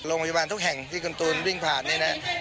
โรงพยาบาลทุกแห่งที่คุณตูนวิ่งผ่านนี่นะ